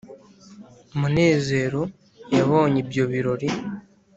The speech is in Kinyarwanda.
Munezero yabonye ibyo birori